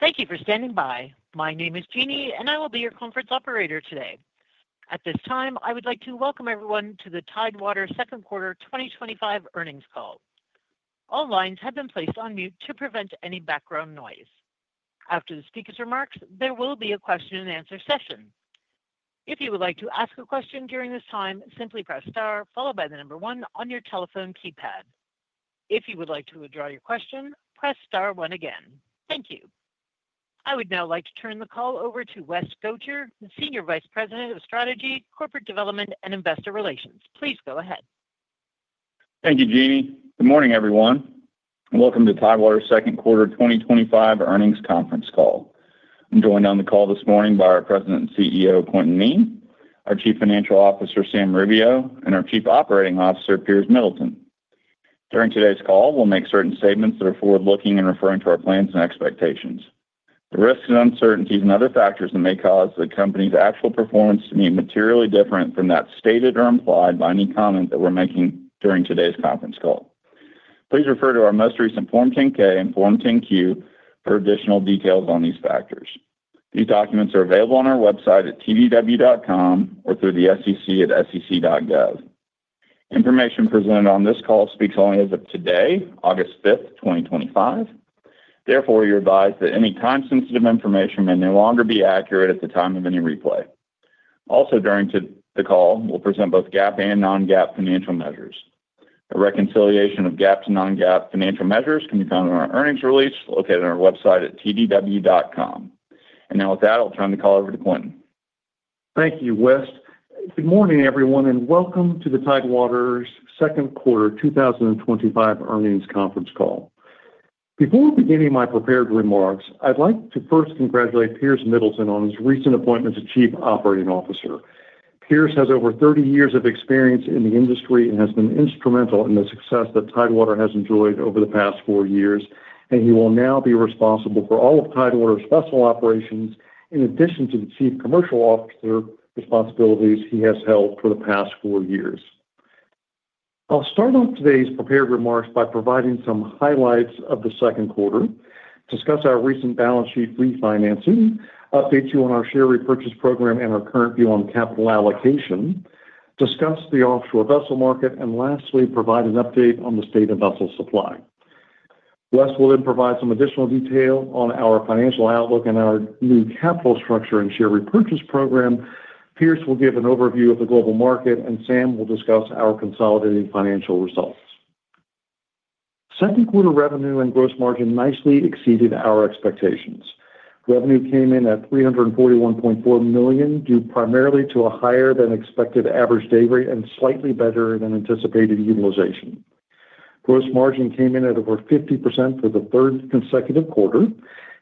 Thank you for standing by. My name is Jeannie, and I will be your conference operator today. At this time, I would like to welcome everyone to the Tidewater Second Quarter 2025 Earnings Call. All lines have been placed on mute to prevent any background noise. After the speaker's remarks, there will be a question and answer session. If you would like to ask a question during this time, simply press star, followed by the number one on your telephone keypad. If you would like to withdraw your question, press star one again. Thank you. I would now like to turn the call over to West Gotcher, the Senior Vice President of Strategy, Corporate Development & Investor Relations. Please go ahead. Thank you, Jeannie. Good morning, everyone, and welcome to Tidewater's Second Quarter 2025 Earnings Conference Call. I'm joined on the call this morning by our President and CEO, Quintin Kneen, our Chief Financial Officer, Sam Rubio, and our Chief Operating Officer, Piers Middleton. During today's call, we'll make certain statements that are forward-looking and refer to our plans and expectations. The risks and uncertainties and other factors may cause the company's actual performance to be materially different from that stated or implied by any comment that we're making during today's conference call. Please refer to our most recent Form 10-K and Form 10-Q for additional details on these factors. These documents are available on our website at tdw.com or through the SEC at sec.gov. Information presented on this call speaks only as of today, August 5th, 2025. Therefore, you're advised that any time-sensitive information may no longer be accurate at the time of any replay. Also, during the call, we'll present both GAAP and non-GAAP financial measures. A reconciliation of GAAP and non-GAAP financial measures can be found in our earnings release located on our website at tdw.com. With that, I'll turn the call over to Quintin. Thank you, West. Good morning, everyone, and welcome to Tidewater's Second Quarter 2025 Earnings Conference Call. Before beginning my prepared remarks, I'd like to first congratulate Piers Middleton on his recent appointment as Chief Operating Officer. Piers has over 30 years of experience in the industry and has been instrumental in the success that Tidewater has enjoyed over the past four years, and he will now be responsible for all of Tidewater's vessel operations in addition to the Chief Commercial Officer responsibilities he has held for the past four years. I'll start off today's prepared remarks by providing some highlights of the second quarter, discuss our recent balance sheet refinancing, update you on our share repurchase program and our current view on capital allocation, discuss the offshore vessel market, and lastly, provide an update on the state of vessel supply. West will then provide some additional detail on our financial outlook and our new capital structure and share repurchase program. Piers will give an overview of the global market, and Sam will discuss our consolidating financial results. Second quarter revenue and gross margin nicely exceeded our expectations. Revenue came in at $341.4 million, due primarily to a higher than expected average day rate and slightly better than anticipated utilization. Gross margin came in at over 50% for the third consecutive quarter.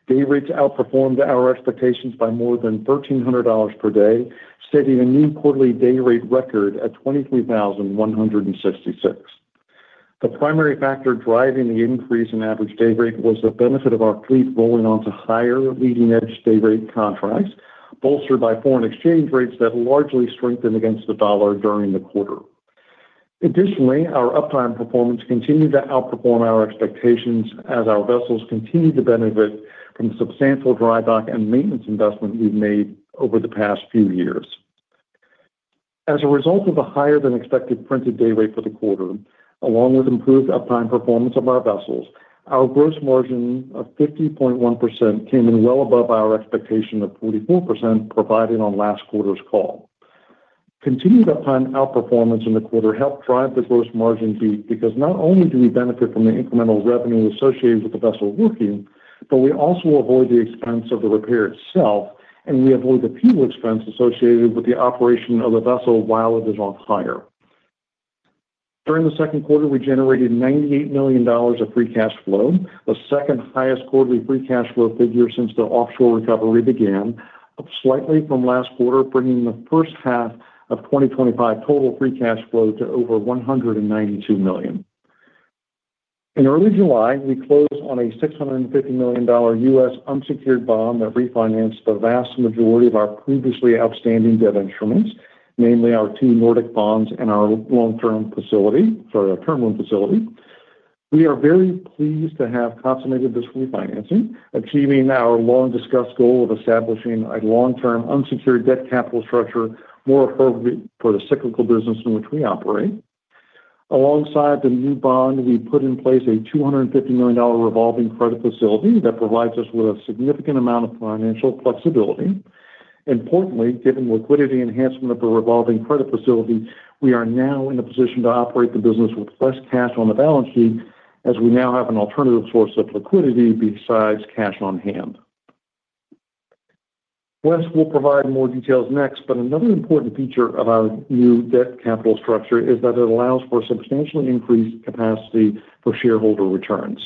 Day rates outperformed our expectations by more than $1,300 per day, setting a new quarterly day rate record at $23,166. The primary factor driving the increase in average day rate was the benefit of our fleet rolling onto higher leading-edge day rate contracts, bolstered by foreign exchange rates that largely strengthened against the dollar during the quarter. Additionally, our uptime performance continued to outperform our expectations as our vessels continued to benefit from the substantial drawback and maintenance investment we've made over the past few years. As a result of a higher than expected printed day rate for the quarter, along with improved uptime performance of our vessels, our gross margin of 50.1% came in well above our expectation of 44% provided on last quarter's call. Continued uptime outperformance in the quarter helped drive the gross margin beat because not only do we benefit from the incremental revenue associated with the vessel roofing, but we also avoid the expense of the repair itself, and we avoid the fuel expense associated with the operation of the vessel while it is on hire. During the second quarter, we generated $98 million of free cash flow, the second highest quarterly free cash flow figure since the offshore recovery began, up slightly from last quarter, bringing the first half of 2025 total free cash flow to over $192 million. In early July, we closed on a $650 million U.S. unsecured bond that refinanced the vast majority of our previously outstanding debt instruments, namely our two Nordic bonds and our term loan facility. We are very pleased to have consummated this refinancing, achieving our long-discussed goal of establishing a long-term unsecured debt capital structure more appropriate for the cyclical business in which we operate. Alongside the new bond, we put in place a $250 million revolving credit facility that provides us with a significant amount of financial flexibility. Importantly, given liquidity enhancement of the revolving credit facility, we are now in a position to operate the business with less cash on the balance sheet as we now have an alternative source of liquidity besides cash on hand. West will provide more details next, but another important feature of our new debt capital structure is that it allows for a substantially increased capacity for shareholder returns.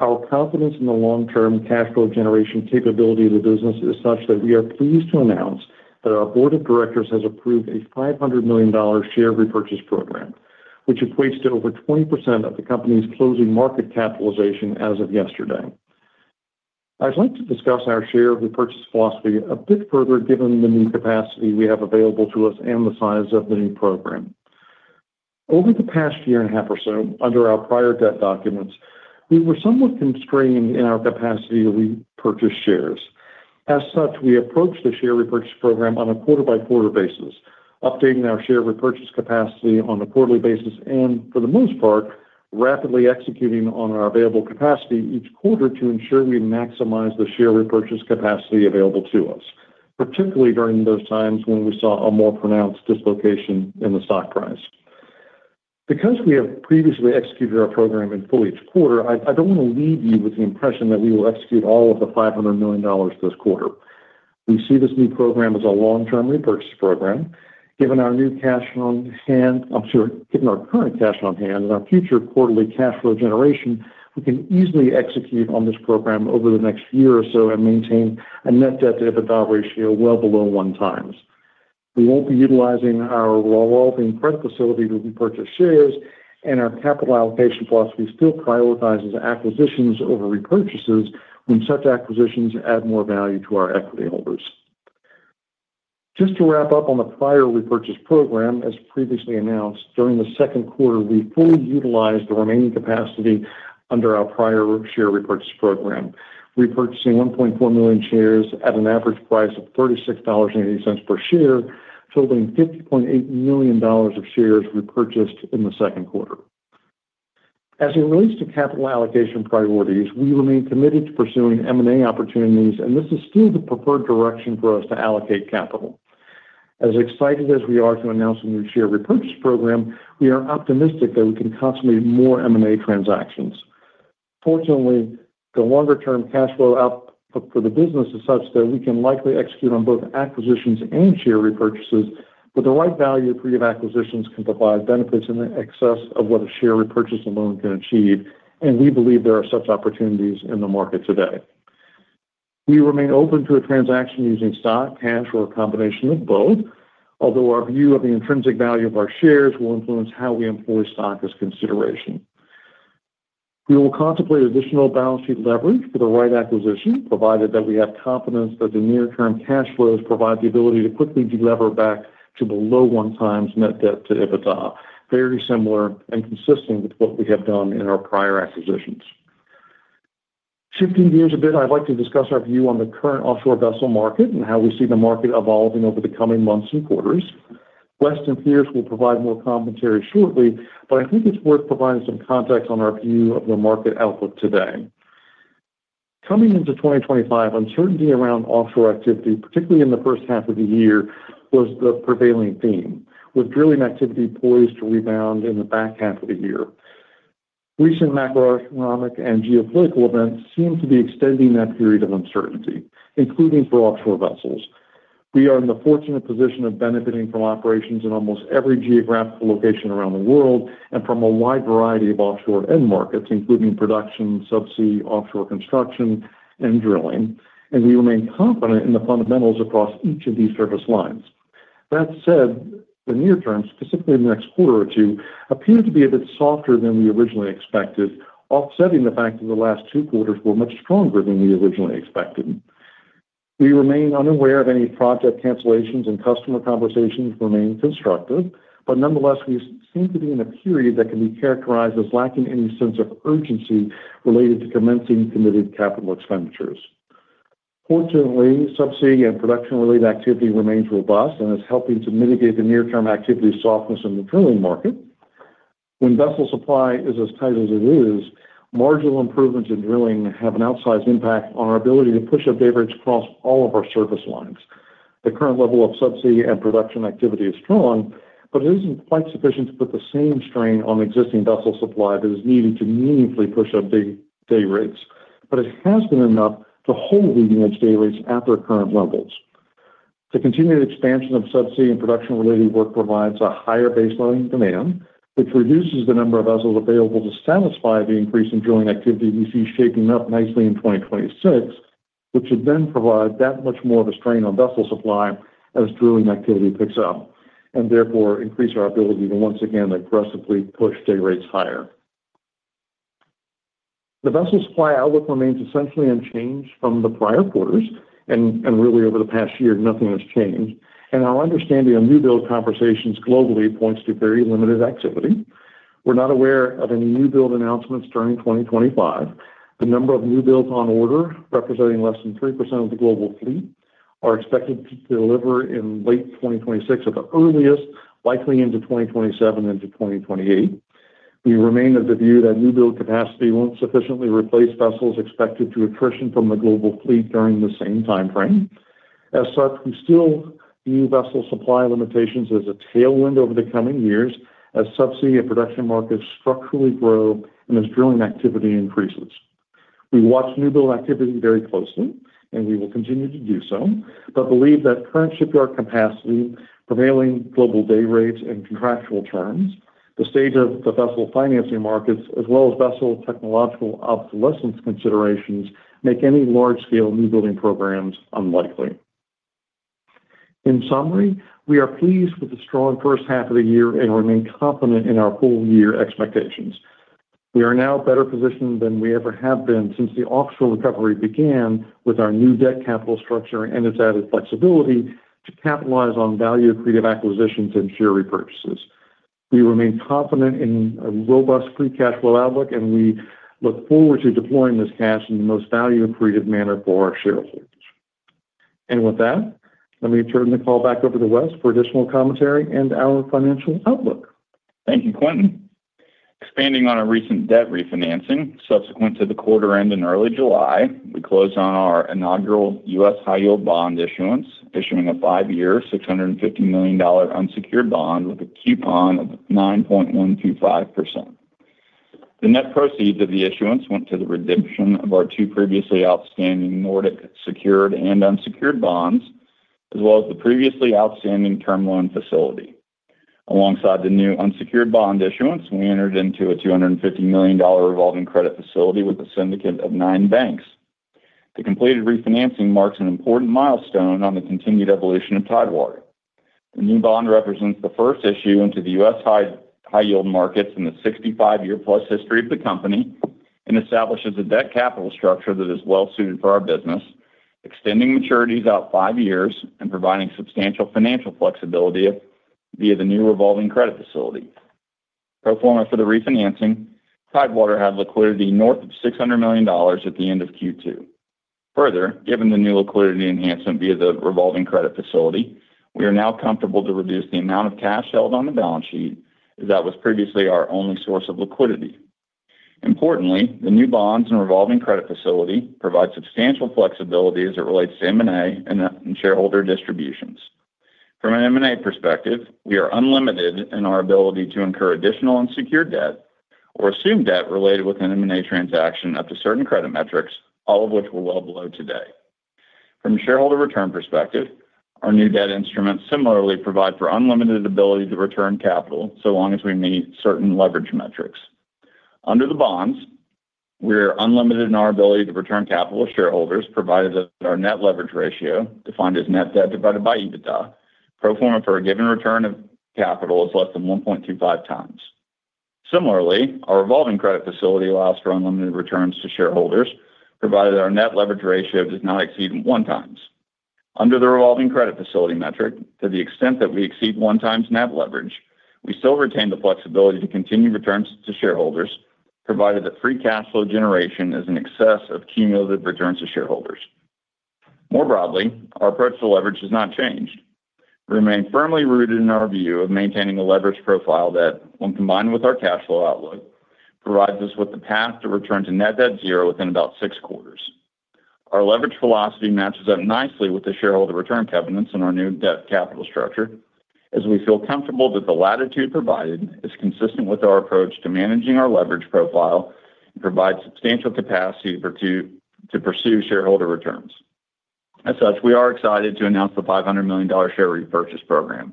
Our confidence in the long-term cash flow generation capability of the business is such that we are pleased to announce that our board of directors has approved a $500 million share repurchase program, which equates to over 20% of the company's closing market capitalization as of yesterday. I'd like to discuss our share repurchase philosophy a bit further, given the new capacity we have available to us and the size of the new program. Over the past year and a half or so, under our prior debt documents, we were somewhat constrained in our capacity to repurchase shares. As such, we approached the share repurchase program on a quarter-by-quarter basis, updating our share repurchase capacity on a quarterly basis and, for the most part, rapidly executing on our available capacity each quarter to ensure we maximize the share repurchase capacity available to us, particularly during those times when we saw a more pronounced dislocation in the stock price. Because we have previously executed our program in full each quarter, I don't want to leave you with the impression that we will execute all of the $500 million this quarter. We see this new program as a long-term repurchase program. Given our current cash on hand and our future quarterly cash flow generation, we can easily execute on this program over the next year or so and maintain a net debt to EBITDA ratio well below 1x. We won't be utilizing our revolving credit facility to repurchase shares, and our capital allocation philosophy still prioritizes acquisitions over repurchases when such acquisitions add more value to our equity holders. Just to wrap up on the prior repurchase program, as previously announced, during the second quarter, we fully utilized the remaining capacity under our prior share repurchase program, repurchasing 1.4 million shares at an average price of $36.80 per share, totaling $50.8 million of shares repurchased in the second quarter. As it relates to capital allocation priorities, we remain committed to pursuing M&A opportunities, and this is still the preferred direction for us to allocate capital. As excited as we are to announce a new share repurchase program, we are optimistic that we can consummate more M&A transactions. Fortunately, the longer-term cash flow output for the business is such that we can likely execute on both acquisitions and share repurchases, but the right value of free of acquisitions can provide benefits in the excess of what a share repurchase alone can achieve, and we believe there are such opportunities in the market today. We remain open to a transaction using stock, cash, or a combination of both, although our view of the intrinsic value of our shares will influence how we employ stock as a consideration. We will contemplate additional balance sheet leverage for the right acquisition, provided that we have confidence that the near-term cash flows provide the ability to quickly delever back to below 1x net debt to EBITDA, very similar and consistent with what we have done in our prior acquisitions. Shifting gears a bit, I'd like to discuss our view on the current offshore vessel market and how we see the market evolving over the coming months and quarters. West and Piers will provide more commentary shortly, but I think it's worth providing some context on our view of the market outlook today. Coming into 2025, uncertainty around offshore activity, particularly in the first half of the year, was the prevailing theme, with drilling activity poised to rebound in the back half of the year. Recent macroeconomic and geopolitical events seem to be extending that period of uncertainty, including for offshore vessels. We are in the fortunate position of benefiting from operations in almost every geographical location around the world and from a wide variety of offshore end markets, including production, subsea, offshore construction, and drilling, and we remain confident in the fundamentals across each of these service lines. That said, the near term, specifically the next quarter or two, appear to be a bit softer than we originally expected, offsetting the fact that the last two quarters were much stronger than we originally expected. We remain unaware of any project cancellations and customer conversations remain constructive, nonetheless, we seem to be in a period that can be characterized as lacking any sense of urgency related to commencing committed capital expenditures. Fortunately, subsea and production-related activity remains robust and is helping to mitigate the near-term activity softness in the drilling market. When vessel supply is as tight as it is, marginal improvements in drilling have an outsized impact on our ability to push up day rates across all of our service lines. The current level of subsea and production activity is strong, but it isn't quite sufficient to put the same strain on existing vessel supply that is needed to meaningfully push up day rates, but it has been enough to hold leading-edge day rates at their current levels. The continued expansion of subsea and production-related work provides a higher baseline demand, which reduces the number of vessels available to satisfy the increase in drilling activity we see shaping up nicely in 2026, which should then provide that much more of a strain on vessel supply as drilling activity picks up and therefore increase our ability to once again aggressively push day rates higher. The vessel supply outlook remains essentially unchanged from the prior quarters, and really over the past year, nothing has changed, and our understanding of new build conversations globally points to very limited activity. We're not aware of any new build announcements during 2025. The number of new builds on order, representing less than 3% of the global fleet, are expected to deliver in late 2026 at the earliest, likely into 2027 and into 2028. We remain of the view that new build capacity won't sufficiently replace vessels expected to attrition from the global fleet during the same timeframe. As such, we still view vessel supply limitations as a tailwind over the coming years as subsea and production markets structurally grow and as drilling activity increases. We watch new build activity very closely, and we will continue to do so, but believe that current shipyard capacity, prevailing global day rates, and contractual terms, the state of the vessel financing markets, as well as vessel technological obsolescence considerations, make any large-scale new building programs unlikely. In summary, we are pleased with the strong first half of the year and remain confident in our full-year expectations. We are now better positioned than we ever have been since the offshore recovery began with our new debt capital structure and its added flexibility to capitalize on value-accretive acquisitions and share repurchases. We remain confident in a robust free cash flow outlook, and we look forward to deploying this cash in the most value-accretive manner for our shareholders. With that, let me turn the call back over to West for additional commentary and our financial outlook. Thank you, Quintin. Expanding on our recent debt refinancing, subsequent to the quarter end in early July, we closed on our inaugural U.S. high-yield bond issuance, issuing a five-year $650 million unsecured bond with a coupon of 9.125%. The net proceeds of the issuance went to the redemption of our two previously outstanding Nordic secured and unsecured bonds, as well as the previously outstanding term loan facility. Alongside the new unsecured bond issuance, we entered into a $250 million revolving credit facility with a syndicate of nine banks. The completed refinancing marks an important milestone on the continued evolution of Tidewater. The new bond represents the first issuance into the U.S. high-yield markets in the 65-year-plus history of the company and establishes a debt capital structure that is well-suited for our business, extending maturities out five years and providing substantial financial flexibility via the new revolving credit facility. Pro forma for the refinancing, Tidewater had liquidity north of $600 million at the end of Q2. Further, given the new liquidity enhancement via the revolving credit facility, we are now comfortable to reduce the amount of cash held on the balance sheet that was previously our only source of liquidity. Importantly, the new bonds and revolving credit facility provide substantial flexibility as it relates to M&A and shareholder distributions. From an M&A perspective, we are unlimited in our ability to incur additional unsecured debt or assume debt related with an M&A transaction up to certain credit metrics, all of which were well below today. From a shareholder return perspective, our new debt instruments similarly provide for unlimited ability to return capital so long as we meet certain leverage metrics. Under the bonds, we are unlimited in our ability to return capital to shareholders, provided that our net leverage ratio, defined as net debt divided by EBITDA, pro forma for a given return of capital is less than 1.25x. Similarly, our revolving credit facility allows for unlimited returns to shareholders, provided that our net leverage ratio does not exceed 1x. Under the revolving credit facility metric, to the extent that we exceed 1x net leverage, we still retain the flexibility to continue returns to shareholders, provided that free cash flow generation is in excess of cumulative returns to shareholders. More broadly, our approach to leverage has not changed. We remain firmly rooted in our view of maintaining a leverage profile that, when combined with our cash flow outlook, provides us with the path to return to net debt zero within about six quarters. Our leverage velocity matches up nicely with the shareholder return covenants in our new debt capital structure, as we feel comfortable that the latitude provided is consistent with our approach to managing our leverage profile and provides substantial capacity to pursue shareholder returns. As such, we are excited to announce the $500 million share repurchase program.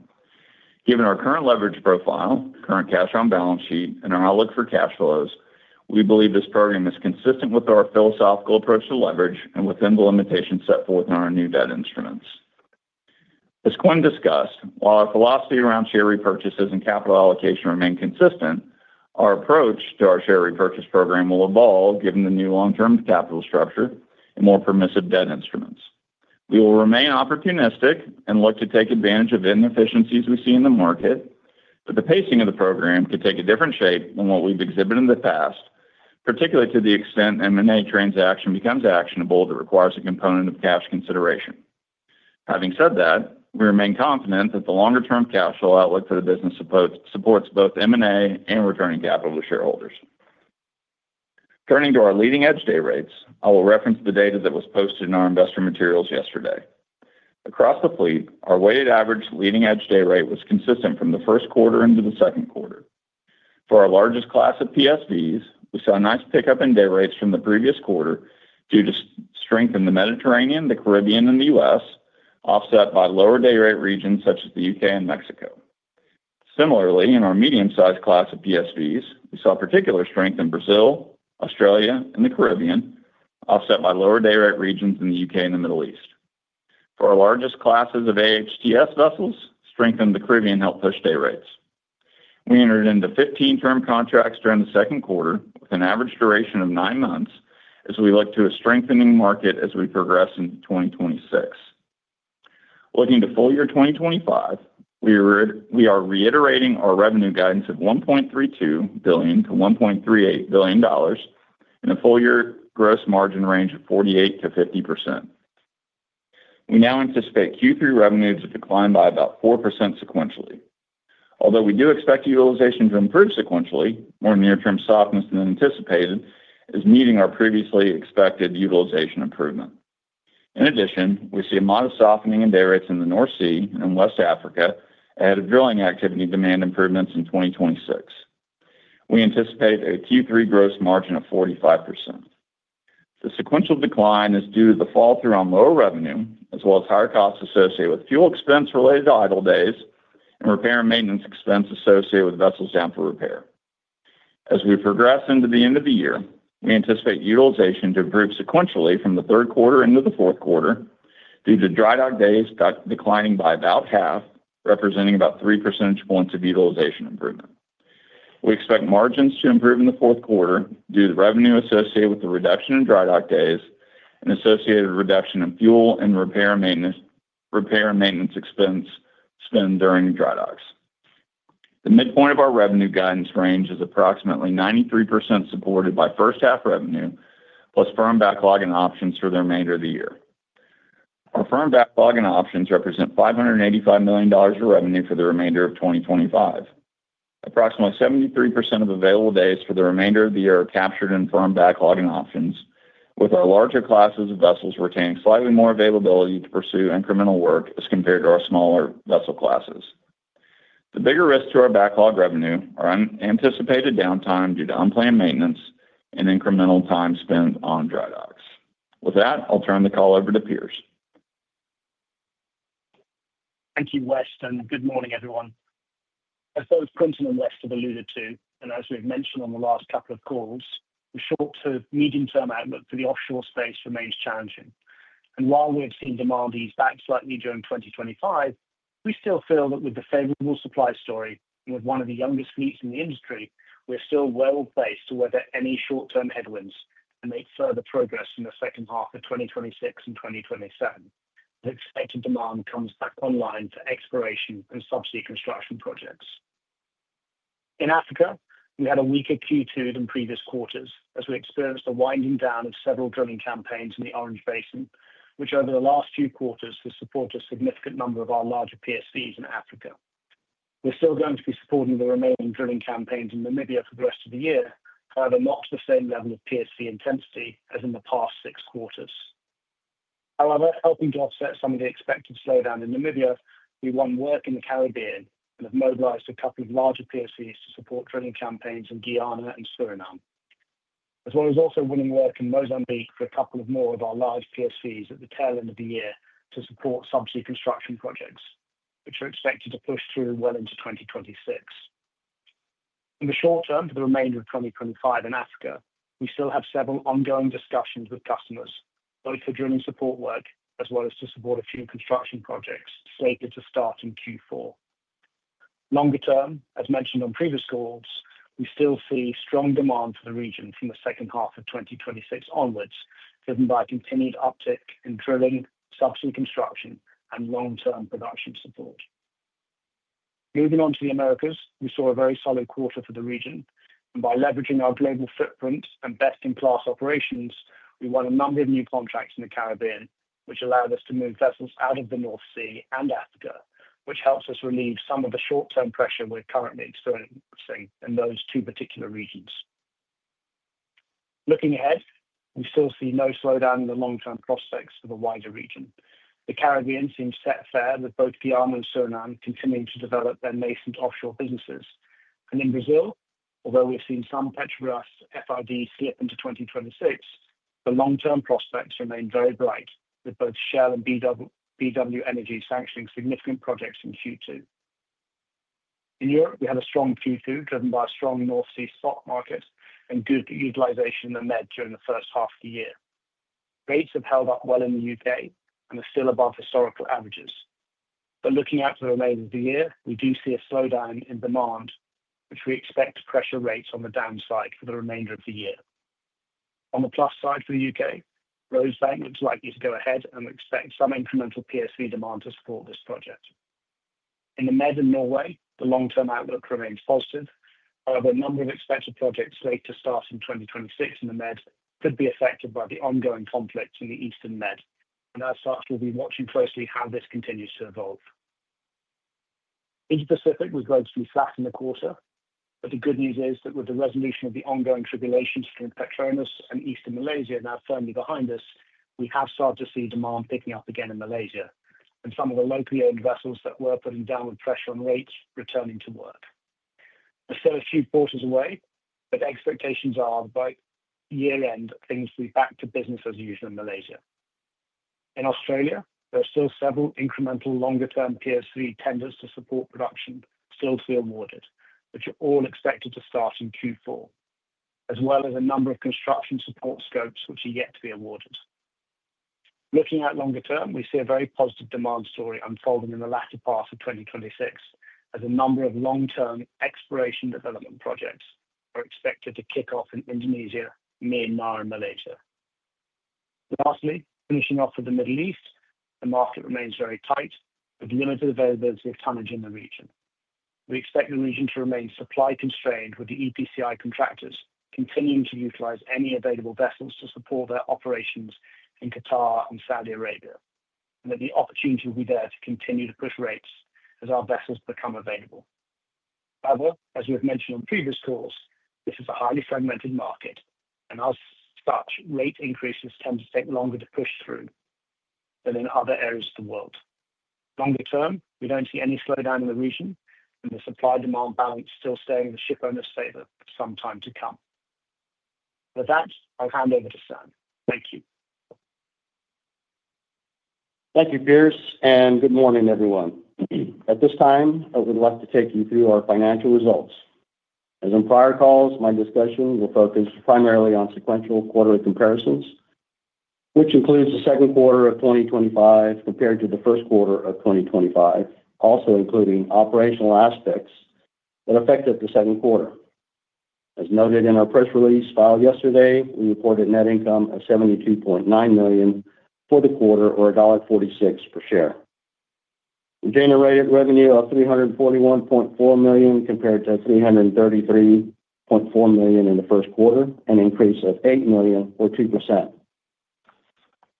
Given our current leverage profile, current cash on balance sheet, and our outlook for cash flows, we believe this program is consistent with our philosophical approach to leverage and within the limitations set forth in our new debt instruments. As Quintin discussed, while our philosophy around share repurchases and capital allocation remains consistent, our approach to our share repurchase program will evolve given the new long-term capital structure and more permissive debt instruments. We will remain opportunistic and look to take advantage of inefficiencies we see in the market, but the pacing of the program could take a different shape than what we've exhibited in the past, particularly to the extent an M&A transaction becomes actionable that requires a component of cash consideration. Having said that, we remain confident that the longer-term cash flow outlook for the business supports both M&A and returning capital to shareholders. Turning to our leading-edge day rates, I will reference the data that was posted in our investor materials yesterday. Across the fleet, our weighted average leading-edge day rate was consistent from the first quarter into the second quarter. For our largest class of PSVs, we saw a nice pickup in day rates from the previous quarter due to strength in the Mediterranean, the Caribbean, and the U.S., offset by lower day rate regions such as the U.K. and Mexico. Similarly, in our medium-sized class of PSVs, we saw particular strength in Brazil, Australia, and the Caribbean, offset by lower day rate regions in the U.K. and the Middle East. For our largest classes of AHTS vessels, strength in the Caribbean helped push day rates. We entered into 15-term contracts during the second quarter, an average duration of nine months, as we look to a strengthening market as we progress into 2026. Looking to full-year 2025, we are reiterating our revenue guidance at $1.32 billion-$1.38 billion in a full-year gross margin range of 48%-50%. We now anticipate Q3 revenues to decline by about 4% sequentially. Although we do expect utilization to improve sequentially, more near-term softness than anticipated is meeting our previously expected utilization improvement. In addition, we see a modest softening in day rates in the North Sea and West Africa ahead of drilling activity demand improvements in 2026. We anticipate a Q3 gross margin of 45%. The sequential decline is due to the fallthrough on lower revenue, as well as higher costs associated with fuel expense related to idle days and repair and maintenance expense associated with vessels down for repair. As we progress into the end of the year, we anticipate utilization to improve sequentially from the third quarter into the fourth quarter due to dry dock days declining by about half, representing about 3 percentage points of utilization improvement. We expect margins to improve in the fourth quarter due to the revenue associated with the reduction in dry dock days and associated reduction in fuel and repair and maintenance expense spend during dry docks. The midpoint of our revenue guidance range is approximately 93% supported by first half revenue plus firm backlog and options for the remainder of the year. Our firm backlog and options represent $585 million of revenue for the remainder of 2025. Approximately 73% of available days for the remainder of the year are captured in firm backlog and options, with our larger classes of vessels retaining slightly more availability to pursue incremental work as compared to our smaller vessel classes. The bigger risks to our backlog revenue are anticipated downtime due to unplanned maintenance and incremental time spent on dry docks. With that, I'll turn the call over to Piers. Thank you, West, and good morning, everyone. As both Quintin and West have alluded to, and as we've mentioned on the last couple of calls, the short-term, medium-term outlook for the offshore space remains challenging. While we've seen demand ease back slightly during 2025, we still feel that with the favorable supply story and with one of the youngest fleets in the industry, we're still well placed to weather any short-term headwinds and make further progress in the second half of 2026 and 2027 as expected demand comes back online for exploration and subsea construction projects. In Africa, we had a weaker Q2 than previous quarters as we experienced the winding down of several drilling campaigns in the Orange Basin, which over the last few quarters has supported a significant number of our larger PSVs in Africa. We're still going to be supporting the remaining drilling campaigns in Namibia for the rest of the year, but not at the same level of PSV intensity as in the past six quarters. However, helping to offset some of the expected slowdown in Namibia, we won work in the Caribbean and have mobilized a couple of larger PSVs to support drilling campaigns in Guyana and Suriname, as well as also winning work in Mozambique for a couple more of our large PSVs at the tail end of the year to support subsea construction projects, which are expected to push through well into 2026. In the short term for the remainder of 2025 in Africa, we still have several ongoing discussions with customers, both for drilling support work as well as to support a few construction projects slated to start in Q4. Longer term, as mentioned on previous calls, we still see strong demand for the region from the second half of 2026 onwards, driven by continued uptick in drilling, subsea construction, and long-term production support. Moving on to the Americas, we saw a very solid quarter for the region, and by leveraging our global footprint and best-in-class operations, we won a number of new contracts in the Caribbean, which allowed us to move vessels out of the North Sea and Africa, which helps us relieve some of the short-term pressure we're currently experiencing in those two particular regions. Looking ahead, we still see no slowdown in the long-term prospects for the wider region. The Caribbean seems set afire with both Guyana and Suriname continuing to develop their nascent offshore businesses. In Brazil, although we've seen some Petrobras FRDs slip into 2026, the long-term prospects remain very bright, with both Shell and BW Energy sanctioning significant projects in Q2. In Europe, we had a strong Q2 driven by a strong North Sea spot market and good utilization in the Mediterranean during the first half of the year. Rates have held up well in the U.K. and are still above historical averages. Looking out for the remainder of the year, we do see a slowdown in demand, which we expect to pressure rates on the downside for the remainder of the year. On the plus side for the U.K., Rosebank looks likely to go ahead and we expect some incremental PSV demand to support this project. In the Mediterranean and Norway, the long-term outlook remains positive. However, a number of expected projects slated to start in 2026 in the Mediterranean could be affected by the ongoing conflicts in the eastern Mediterranean. As such, we'll be watching closely how this continues to evolve. In the Pacific, we're grossly flat in the quarter, but the good news is that with the resolution of the ongoing tribulations from Petronas and Eastern Malaysia now firmly behind us, we have started to see demand picking up again in Malaysia, and some of the locally owned vessels that were putting downward pressure on rates are returning to work. We're still a few quarters away, but expectations are by year-end things will be back to business as usual in Malaysia. In Australia, there are still several incremental longer-term PSV tenders to support production still to be awarded, which are all expected to start in Q4, as well as a number of construction support scopes which are yet to be awarded. Looking out longer term, we see a very positive demand story unfolding in the latter part of 2026, as a number of long-term exploration development projects are expected to kick off in Indonesia, Myanmar, and Malaysia. Lastly, finishing off with the Middle East, the market remains very tight with limited availability of tonnage in the region. We expect the region to remain supply constrained with the EPCI contractors continuing to utilize any available vessels to support their operations in Qatar and Saudi Arabia, and that the opportunity will be there to continue to push rates as our vessels become available. However, as we've mentioned on previous calls, this is a highly fragmented market, and as such, rate increases tend to take longer to push through than in other areas of the world. Longer term, we don't see any slowdown in the region, and the supply-demand balance still staying in the shipowner's favor for some time to come. With that, I'll hand over to Sam. Thank you. Thank you, Piers, and good morning, everyone. At this time, I would like to take you through our financial results. As on prior calls, my discussion will focus primarily on sequential quarterly comparisons, which includes the second quarter of 2025 compared to the first quarter of 2025, also including operational aspects that affected the second quarter. As noted in our press release filed yesterday, we reported net income of $72.9 million for the quarter, or $1.46 per share. We generated revenue of $341.4 million compared to $333.4 million in the first quarter, an increase of $8 million, or 2%.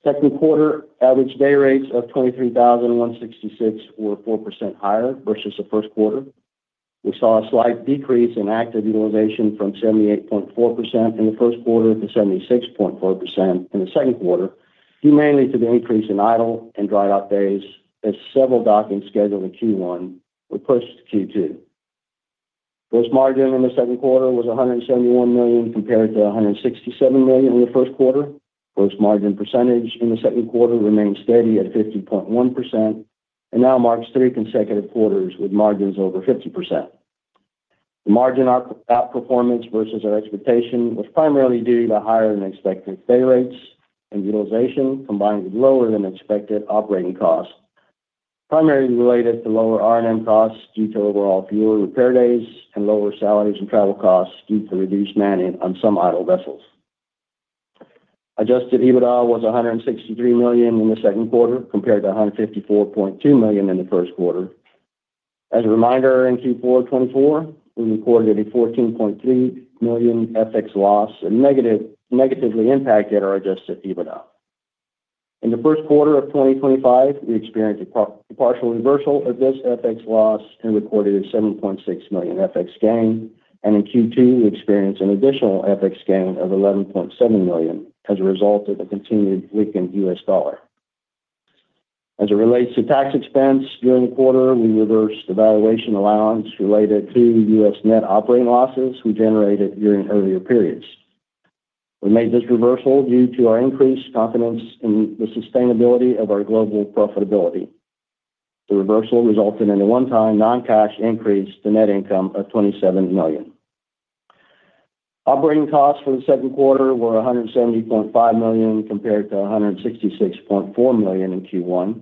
Second quarter average day rates of $23,166, or 4% higher versus the first quarter. We saw a slight decrease in active utilization from 78.4% in the first quarter to 76.4% in the second quarter, due mainly to the increase in idle and dry dock days as several dockings scheduled in Q1 were pushed to Q2. Gross margin in the second quarter was $171 million compared to $167 million in the first quarter. Gross margin percentage in the second quarter remains steady at 50.1% and now marks three consecutive quarters with margins over 50%. The margin outperformance versus our expectation was primarily due to higher than expected day rates and utilization, combined with lower than expected operating costs, primarily related to lower R&M costs due to overall fuel and repair days and lower salaries and travel costs due to reduced mandate on some idle vessels. Adjusted EBITDA was $163 million in the second quarter compared to $154.2 million in the first quarter. As a reminder, in Q4 of 2024, we reported a $14.3 million FX loss and negatively impacted our adjusted EBITDA. In the first quarter of 2025, we experienced a partial reversal of this FX loss and recorded a $7.6 million FX gain, and in Q2, we experienced an additional FX gain of $11.7 million as a result of the continued weakened U.S. dollar. As it relates to tax expense during the quarter, we reversed the valuation allowance related to the U.S. net operating losses we generated during earlier periods. We made this reversal due to our increased confidence in the sustainability of our global profitability. The reversal resulted in a one-time non-cash increase to net income of $27 million. Operating costs for the second quarter were $170.5 million compared to $166.4 million in Q1.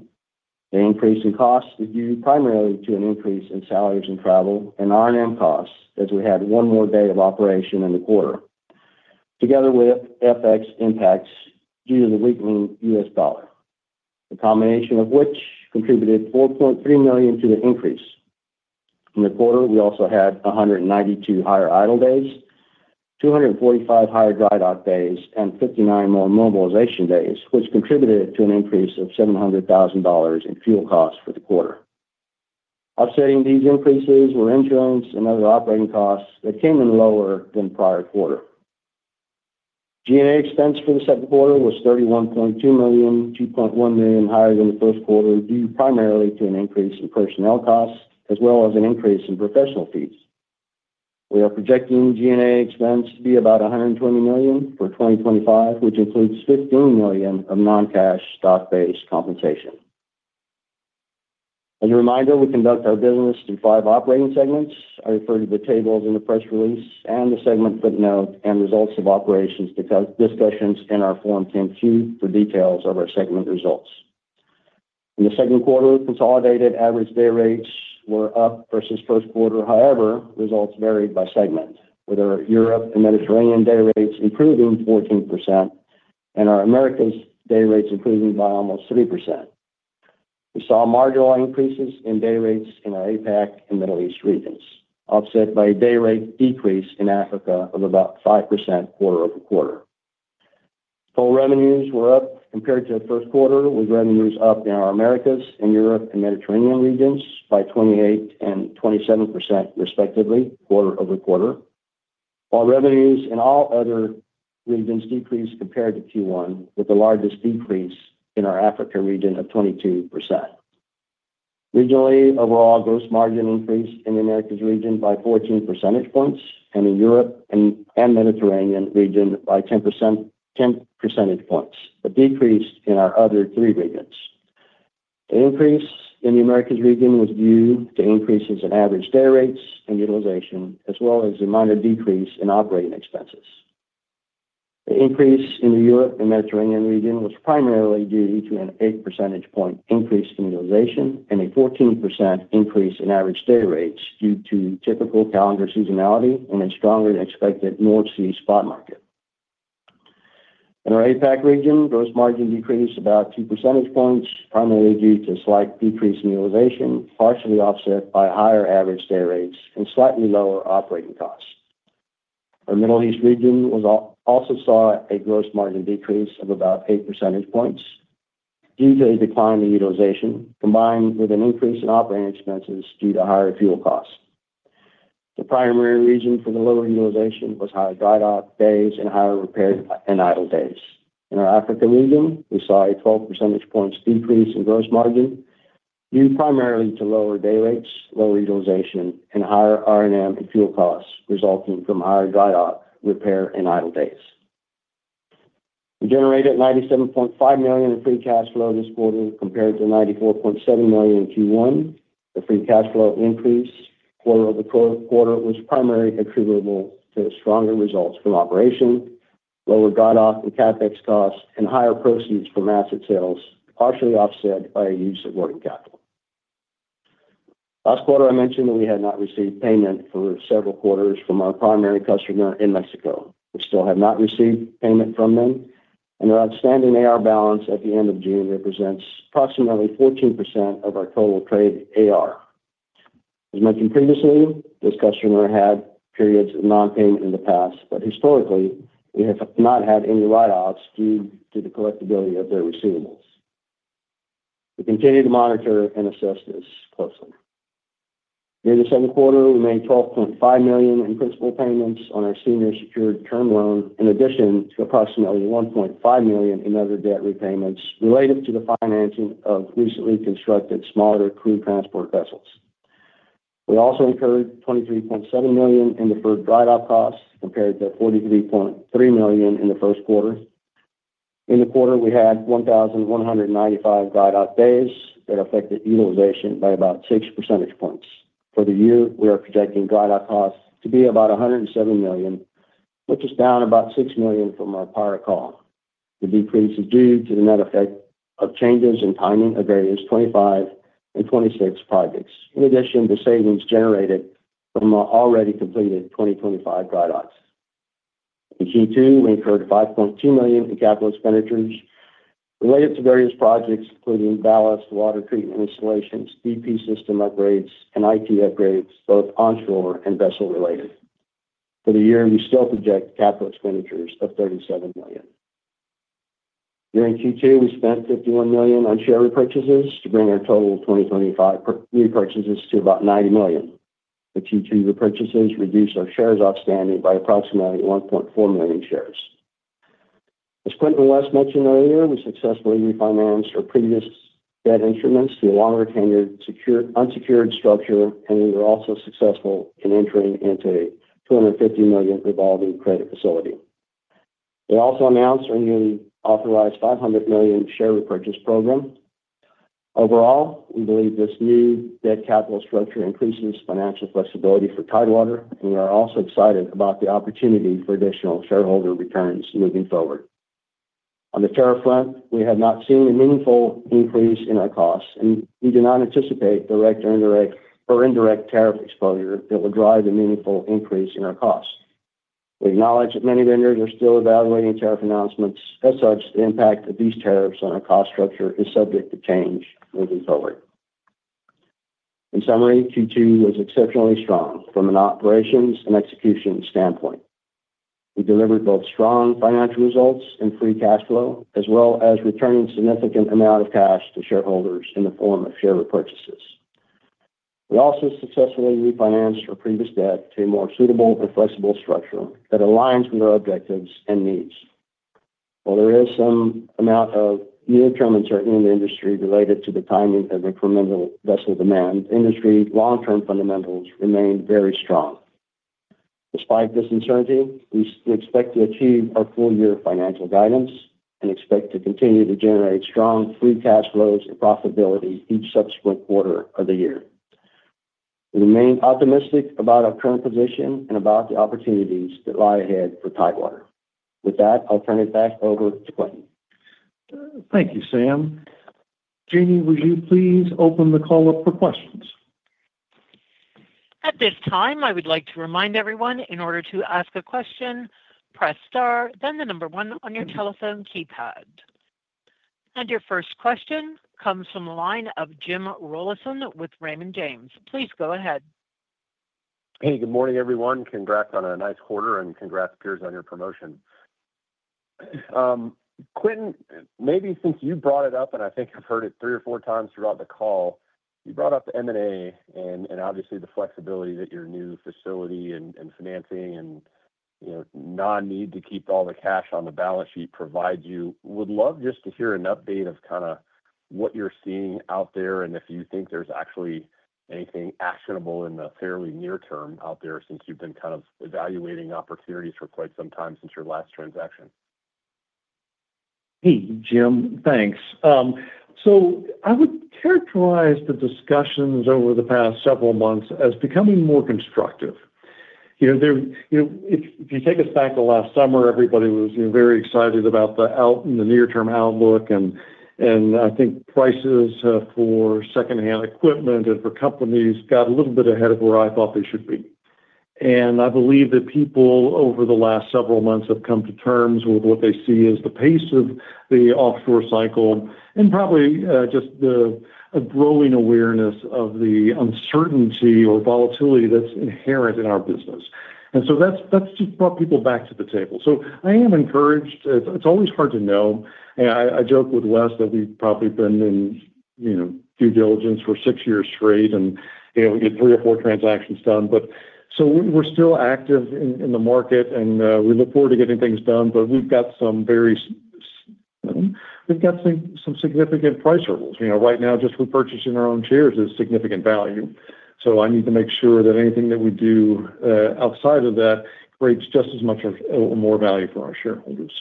The increase in costs is due primarily to an increase in salaries and travel and R&M costs as we had one more day of operation in the quarter, together with FX impacts due to the weakening U.S. dollar, the combination of which contributed $4.3 million to the increase. In the quarter, we also had 192 higher idle days, 245 higher dry dock days, and 59 more mobilization days, which contributed to an increase of $700,000 in fuel costs for the quarter. Offsetting these increases were insurance and other operating costs that came in lower than the prior quarter. G&A expense for the second quarter was $31.2 million, $2.1 million higher than the first quarter, due primarily to an increase in personnel costs, as well as an increase in professional fees. We are projecting G&A expense to be about $120 million for 2025, which includes $15 million of non-cash stock-based compensation. As a reminder, we conduct our business in five operating segments. I refer to the tables in the press release and the segment footnote and results of operations discussions in our Form 10-Q for details of our segment results. In the second quarter, consolidated average day rates were up versus the first quarter. However, results varied by segment, with our Europe and Mediterranean day rates improving 14% and our Americas day rates improving by almost 3%. We saw marginal increases in day rates in our APAC and Middle East regions, offset by a day rate decrease in Africa of about 5% quarter-over-quarter. Full revenues were up compared to the first quarter, with revenues up in our Americas and Europe and Mediterranean regions by 28% and 27% respectively, quarter-over-quarter. Our revenues in all other regions decreased compared to Q1, with the largest decrease in our Africa region of 22%. Regionally, overall gross margin increased in the Americas region by 14 percentage points and in Europe and Mediterranean region by 10 percentage points, but decreased in our other three regions. The increase in the Americas region was due to increases in average day rates and utilization, as well as a minor decrease in operating expenses. The increase in the Europe and Mediterranean region was primarily due to an 8 percentage point increase in utilization and a 14% increase in average day rates due to typical calendar seasonality and a strongly expected North Sea spot market. In our APAC region, gross margin decreased about 2% primarily due to a slight decrease in utilization, partially offset by higher average day rates and slightly lower operating costs. Our Middle East region also saw a gross margin decrease of about 8% due to a decline in utilization, combined with an increase in operating expenses due to higher fuel costs. The primary reason for the lower utilization was higher dry dock days and higher repair and idle days. In our Africa region, we saw a 12% decrease in gross margin due primarily to lower day rates, lower utilization, and higher R&M and fuel costs resulting from higher dry dock repair and idle days. We generated $97.5 million in free cash flow this quarter compared to $94.7 million in Q1. The free cash flow increase quarter-over-quarter was primarily attributable to stronger results from operation, lower dry dock and CapEx costs, and higher proceeds from asset sales, partially offset by our use of working capital. Last quarter, I mentioned that we had not received payment for several quarters from our primary customer in Mexico. We still have not received payment from them, and our outstanding AR balance at the end of June represents approximately 14% of our total trade AR. As mentioned previously, this customer had periods of non-payment in the past, but historically, we have not had any write-offs due to the collectability of their receivables. We continue to monitor and assess this closely. In the second quarter, we made $12.5 million in principal payments on our senior secured term loan, in addition to approximately $1.5 million in other debt repayments related to the financing of recently constructed smaller cruise transport vessels. We also incurred $23.7 million in deferred dry dock costs compared to $43.3 million in the first quarter. In the quarter, we had 1,195 dry dock days that affected utilization by about 6%. For the year, we are projecting dry dock costs to be about $107 million, which is down about $6 million from our prior call. The decrease is due to the net effect of changes in timing of various 2025 and 2026 projects, in addition to savings generated from our already completed 2025 dry docks. In Q2, we incurred $5.2 million in capital expenditures related to various projects, including ballast water treatment installations, EP system upgrades, and IT upgrades, both onshore and vessel-related. For the year, we still project capital expenditures of $37 million. During Q2, we spent $51 million on share repurchases to bring our total of 2025 repurchases to about $90 million. The Q2 repurchases reduced our shares outstanding by approximately 1.4 million shares. As Quintin and West mentioned earlier, we successfully refinanced our previous debt instruments to a longer tenured unsecured structure, and we were also successful in entering into a $250 million revolving credit facility. We also announced our newly authorized $500 million share repurchase program. Overall, we believe this new debt capital structure increases financial flexibility for Tidewater, and we are also excited about the opportunity for additional shareholder returns moving forward. On the tariff front, we have not seen a meaningful increase in our costs, and we do not anticipate direct or indirect tariff exposure that would drive a meaningful increase in our costs. We acknowledge that many vendors are still evaluating tariff announcements. As such, the impact of these tariffs on our cost structure is subject to change moving forward. In summary, Q2 was exceptionally strong from an operations and execution standpoint. We delivered both strong financial results and free cash flow, as well as returning a significant amount of cash to shareholders in the form of share repurchases. We also successfully refinanced our previous debt to a more suitable and flexible structure that aligns with our objectives and needs. While there is some amount of new income uncertainty in the industry related to the timing of incremental vessel demand, the industry long-term fundamentals remain very strong. Despite this uncertainty, we expect to achieve our full-year financial guidance and expect to continue to generate strong free cash flows and profitability each subsequent quarter of the year. We remain optimistic about our current position and about the opportunities that lie ahead for Tidewater. With that, I'll turn it back over to Quintin. Thank you, Sam. Jeannie, would you please open the call up for questions? At this time, I would like to remind everyone, in order to ask a question, press star, then the number one on your telephone keypad. Your first question comes from the line of Jim Rollyson with Raymond James. Please go ahead. Hey, good morning, everyone. Congrats on a nice quarter and congrats, Piers, on your promotion. Quintin, maybe since you brought it up, and I think I've heard it three or 4x throughout the call, you brought up the M&A and obviously the flexibility that your new facility and financing and, you know, non-need to keep all the cash on the balance sheet provides you. Would love just to hear an update of kind of what you're seeing out there and if you think there's actually anything actionable in the fairly near term out there since you've been kind of evaluating opportunities for quite some time since your last transaction. Hey, Jim. Thanks. I would characterize the discussions over the past several months as becoming more constructive. You know, if you take us back to last summer, everybody was very excited about the out and the near-term outlook, and I think prices for secondhand equipment and for companies got a little bit ahead of where I thought they should be. I believe that people over the last several months have come to terms with what they see as the pace of the offshore cycle and probably just a growing awareness of the uncertainty or volatility that's inherent in our business. That has just brought people back to the table. I am encouraged. It's always hard to know. I joke with West that we've probably been in, you know, due diligence for six years straight and, you know, we get three or four transactions done. We're still active in the market and we look forward to getting things done, but we've got some very, we've got some significant price hurdles. Right now, just repurchasing our own shares is significant value. I need to make sure that anything that we do outside of that creates just as much or more value for our shareholders.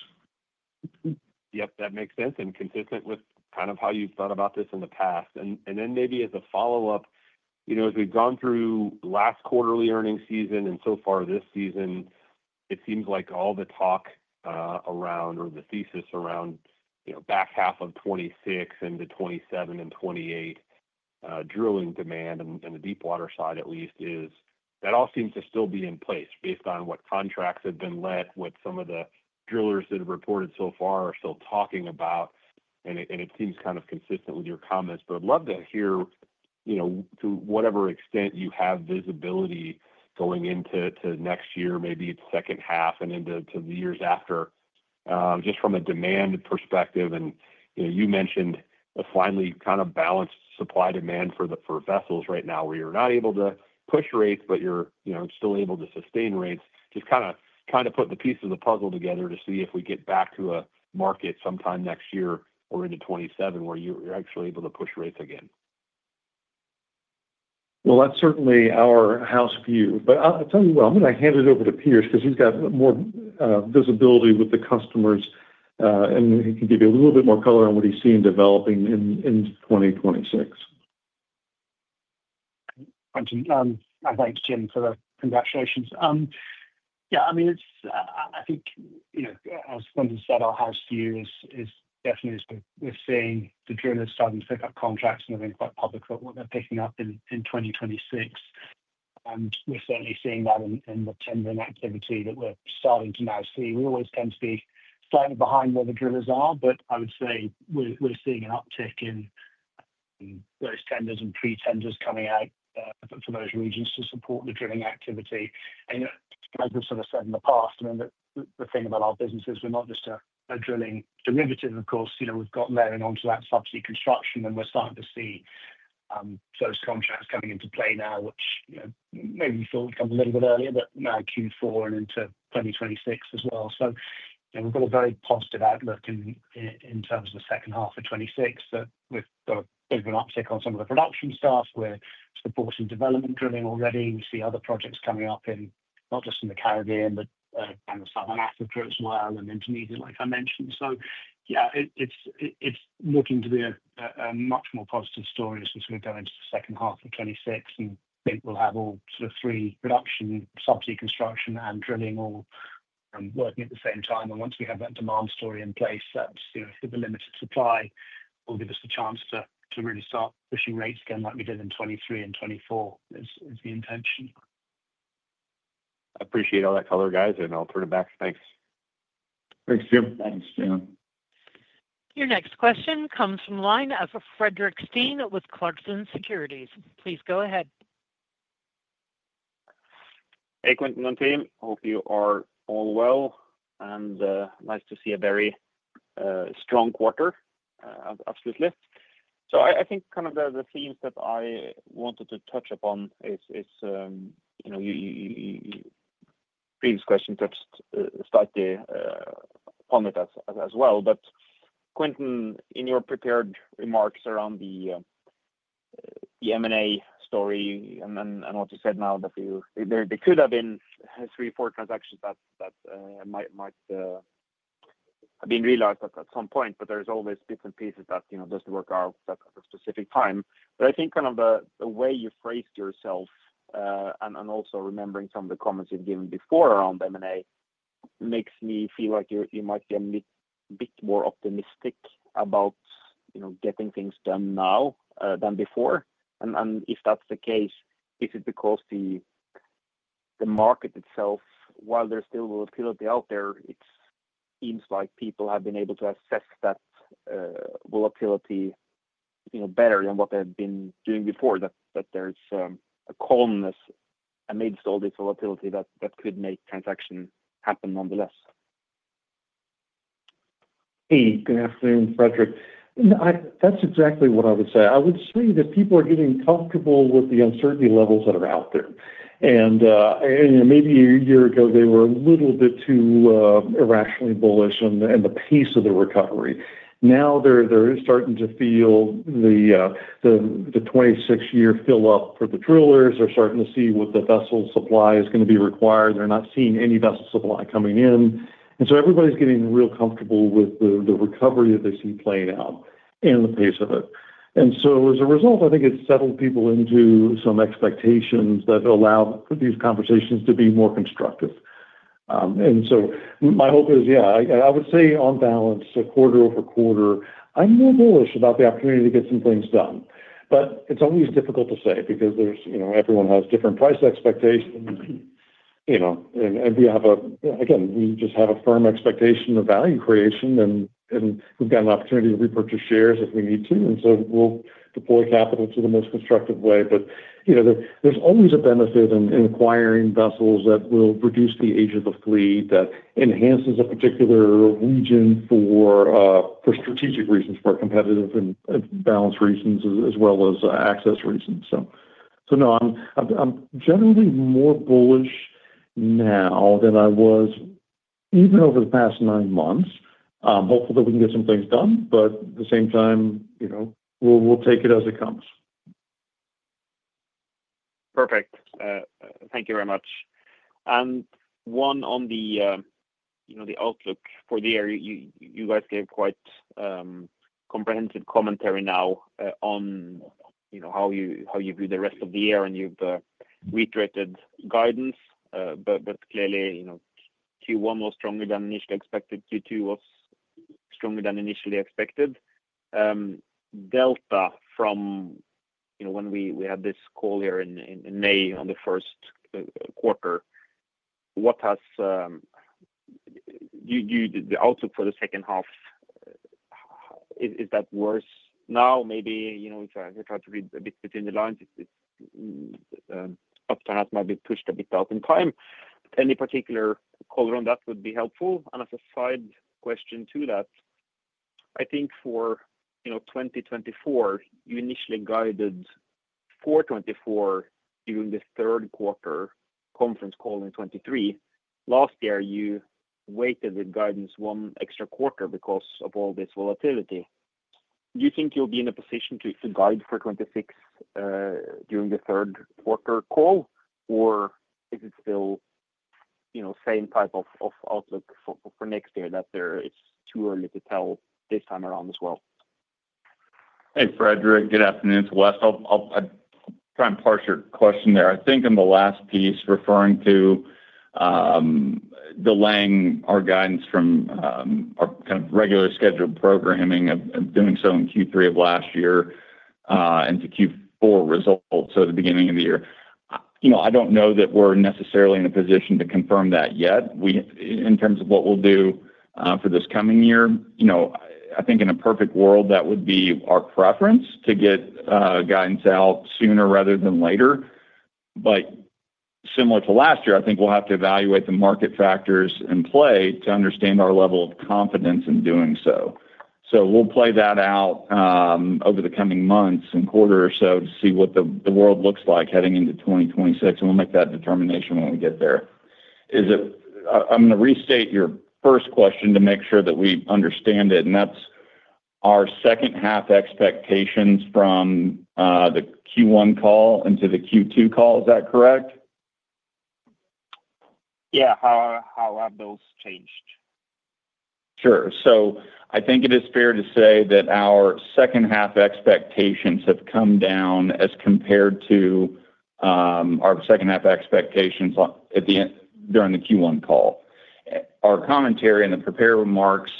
Yep, that makes sense and is consistent with kind of how you've thought about this in the past. Maybe as a follow-up, as we've gone through last quarterly earnings season and so far this season, it seems like all the talk around, or the thesis around, back half of 2026 and the 2027 and 2028 drilling demand and the deepwater side at least is that all seems to still be in place based on what contracts have been let, what some of the drillers that have reported so far are still talking about. It seems kind of consistent with your comments. I'd love to hear, to whatever extent you have visibility going into next year, maybe its second half and into the years after, just from a demand perspective. You mentioned a finally kind of balanced supply-demand for the vessels right now where you're not able to push rates, but you're still able to sustain rates. Just kind of trying to put the pieces of the puzzle together to see if we get back to a market sometime next year or into 2027 where you're actually able to push rates again. That's certainly our house view. I'm going to hand it over to Piers because he's got more visibility with the customers, and he can give you a little bit more color on what he's seen developing in 2026. Thank you. Thanks, Jim, for the congratulations. Yeah, I mean, it's, I think, you know, as Quintin said, our house view is definitely we're seeing the drillers starting to pick up contracts and they're being quite public about what they're picking up in 2026. We're certainly seeing that in the tendering activity that we're starting to now see. We always tend to be slightly behind where the drillers are, but I would say we're seeing an uptick in those tenders and pre-tenders coming out for those regions to support the drilling activity. Like we've sort of said in the past, the thing about our business is we're not just a drilling derivative. Of course, you know, we've got layering onto that subsea construction and we're starting to see those contracts coming into play now, which, you know, maybe you saw a little bit earlier, but now Q4 and into 2026 as well. We've got a very positive outlook in terms of the second half of 2026. We've got a bit of an uptick on some of the production stuff. We're supporting development drilling already. We see other projects coming up not just in the Caribbean, but down in Southern Africa as well and intermediate, like I mentioned. Yeah, it's looking to be a much more positive story as we sort of go into the second half of 2026 and I think we'll have all sort of three production, subsea construction, and drilling all working at the same time. Once we have that demand story in place, that seriously limited supply will give us the chance to really start pushing rates again like we did in 2023 and 2024, is the intention. I appreciate all that color, guys, and I'll turn it back. Thanks. Thanks, Jim. Thanks, Jim. Your next question comes from the line of Fredrik Stene with Clarksons Securities. Please go ahead. Hey, Quintin, and team. Hope you are all well and nice to see a very strong quarter. Absolutely. I think the themes that I wanted to touch upon is, you know, your previous question touched slightly upon it as well. Quintin, in your prepared remarks around the M&A story and what you said now that there could have been three or four transactions that might have been realized at some point, there's always different pieces that, you know, doesn't work out at a specific time. I think the way you phrased yourself and also remembering some of the comments you've given before around M&A makes me feel like you might be a bit more optimistic about, you know, getting things done now than before. If that's the case, is it because the market itself, while there's still volatility out there, it seems like people have been able to assess that volatility better than what they've been doing before, that there's a calmness amidst all this volatility that could make transaction happen nonetheless? Hey, good afternoon, Fredrik. That's exactly what I would say. I would say that people are getting comfortable with the uncertainty levels that are out there. Maybe a year ago, they were a little bit too irrationally bullish on the pace of the recovery. Now they're starting to feel the 26-year fill-up for the drillers. They're starting to see what the vessel supply is going to be required. They're not seeing any vessel supply coming in. Everybody's getting real comfortable with the recovery that they see playing out and the pace of it. As a result, I think it's settled people into some expectations that allow these conversations to be more constructive. My hope is, yeah, I would say on balance, quarter-over-quarter, I'm a little bullish about the opportunity to get some things done. It's always difficult to say because everyone has different price expectations. We just have a firm expectation of value creation, and we've got an opportunity to repurchase shares if we need to. We'll deploy capital in the most constructive way. There's always a benefit in acquiring vessels that will reduce the age of the fleet, that enhances a particular region for strategic reasons, for competitive and balanced reasons, as well as access reasons. No, I'm generally more bullish now than I was even over the past nine months. I'm hopeful that we can get some things done, but at the same time, we'll take it as it comes. Perfect. Thank you very much. One on the outlook for the year, you guys gave quite comprehensive commentary now on how you view the rest of the year, and you've reiterated guidance. Clearly, Q1 was stronger than initially expected. Q2 was stronger than initially expected. Delta from when we had this call here in May on the first quarter, what has the outlook for the second half? Is that worse now? Maybe if I try to read a bit between the lines, uptime might be pushed a bit out in time. Any particular call on that would be helpful. As a side question to that, I think for 2024, you initially guided for 2024 during the third quarter conference call in 2023. Last year, you waited with guidance one extra quarter because of all this volatility. Do you think you'll be in a position to guide for 2026 during the third quarter call, or is it still the same type of outlook for next year that there is too early to tell this time around as well? Hey, Fredrik. Good afternoon. It's West, I'll try and parse your question there. I think in the last piece, referring to delaying our guidance from our kind of regular scheduled programming of doing so in Q3 of last year and to Q4 results, at the beginning of the year, I don't know that we're necessarily in a position to confirm that yet. In terms of what we'll do for this coming year, I think in a perfect world, that would be our preference to get guidance out sooner rather than later. Similar to last year, I think we'll have to evaluate the market factors in play to understand our level of confidence in doing so. We'll play that out over the coming months and quarter or so to see what the world looks like heading into 2026, and we'll make that determination when we get there. I'm going to restate your first question to make sure that we understand it, and that's our second half expectations from the Q1 call into the Q2 call. Is that correct? Yeah, how have those changed? Sure. I think it is fair to say that our second half expectations have come down as compared to our second half expectations during the Q1 call. Our commentary in the prepared remarks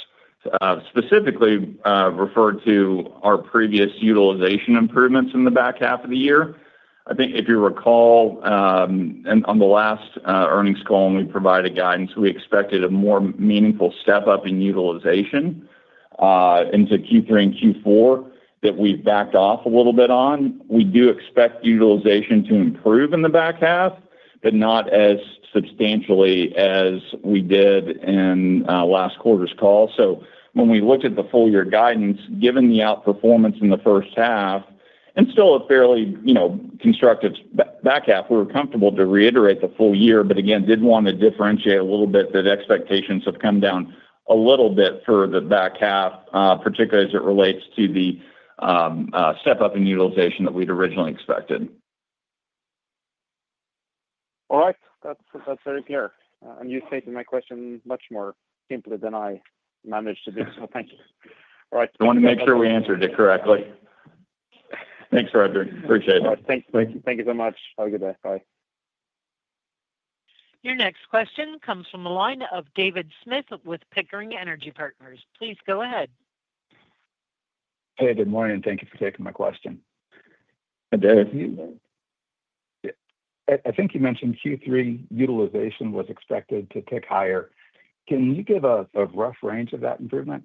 specifically referred to our previous utilization improvements in the back half of the year. I think if you recall, on the last earnings call, and we provided guidance, we expected a more meaningful step up in utilization into Q3 and Q4 that we've backed off a little bit on. We do expect utilization to improve in the back half, but not as substantially as we did in last quarter's call. When we looked at the full-year guidance, given the outperformance in the first half and still a fairly, you know, constructive back half, we were comfortable to reiterate the full year, but again, did want to differentiate a little bit that expectations have come down a little bit for the back half, particularly as it relates to the step up in utilization that we'd originally expected. All right. That's very clear. You stated my question much more simply than I managed to do, so thank you. All right. I want to make sure we answered it correctly. Thanks, Fredrik. Appreciate it. All right. Thanks, Quintin. Thank you so much. Have a good day. Bye. Your next question comes from the line of David Smith with Pickering Energy Partners. Please go ahead. Good morning. Thank you for taking my question. Hey, David. I think you mentioned Q3 utilization was expected to pick higher. Can you give a rough range of that improvement?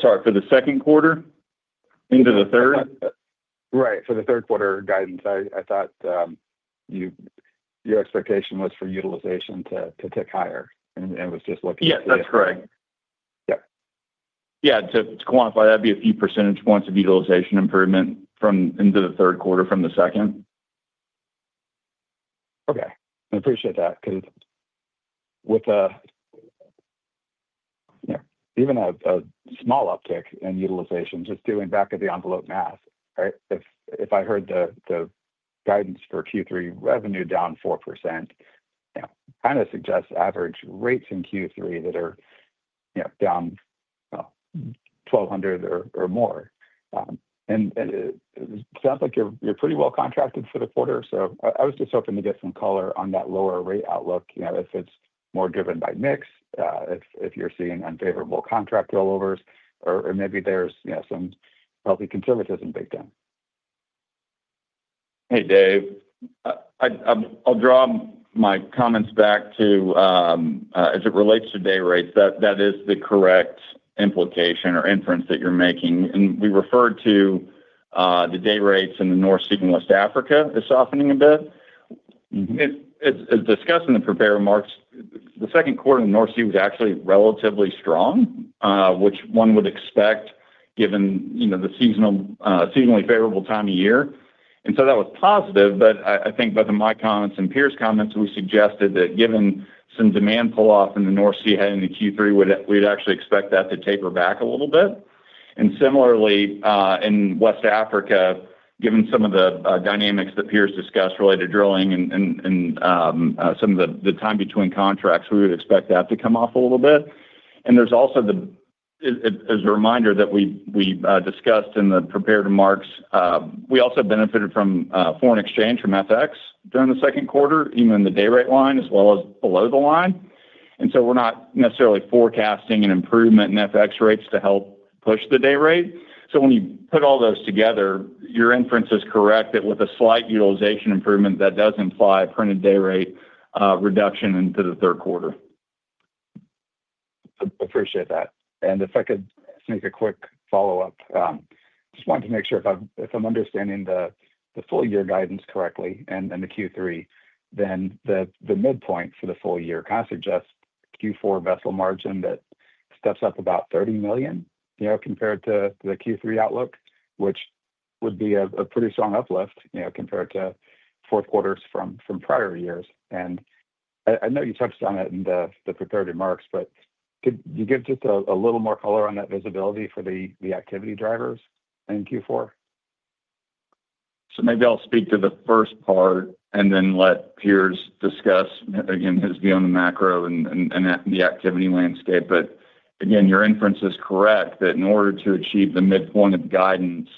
Sorry, for the second quarter into the third? Right. For the third quarter guidance, I thought your expectation was for utilization to pick higher, and I was just looking at the. Yeah, that's correct. Yeah. Yeah, to quantify, that'd be a few percentage points of utilization improvement into the third quarter from the second. Okay. I appreciate that because with even a small uptick in utilization, just doing back of the envelope math, right? If I heard the guidance for Q3 revenue down 4%, it kind of suggests average rates in Q3 that are down $1,200 or more. It sounds like you're pretty well contracted for the quarter. I was just hoping to get some color on that lower rate outlook. Is it more driven by mix, are you seeing unfavorable contract rollovers, or maybe there's some healthy conservatism baked in? Hey, Dave. I'll draw my comments back to, as it relates to day rates, that is the correct implication or inference that you're making. We referred to the day rates in the North Sea and West Africa as softening a bit. As discussed in the prepared remarks, the second quarter in the North Sea was actually relatively strong, which one would expect given, you know, the seasonally favorable time of year. That was positive. I think both in my comments and Piers' comments, we suggested that given some demand pull-off in the North Sea heading into Q3, we'd actually expect that to taper back a little bit. Similarly, in West Africa, given some of the dynamics that Piers discussed related to drilling and some of the time between contracts, we would expect that to come off a little bit. There's also the, as a reminder that we discussed in the prepared remarks, we also benefited from foreign exchange from FX during the second quarter, even in the day rate line as well as below the line. We're not necessarily forecasting an improvement in FX rates to help push the day rate. When you put all those together, your inference is correct that with a slight utilization improvement, that does imply a printed day rate reduction into the third quarter. I appreciate that. If I could make a quick follow-up, I just wanted to make sure if I'm understanding the full-year guidance correctly and then the Q3, the midpoint for the full year kind of suggests Q4 vessel margin that steps up about $30 million compared to the Q3 outlook, which would be a pretty strong uplift compared to fourth quarters from prior years. I know you touched on it in the prepared remarks, but could you give just a little more color on that visibility for the activity drivers in Q4? I will speak to the first part and then let Piers discuss, again, his view on the macro and the activity landscape. Your inference is correct that in order to achieve the midpoint of guidance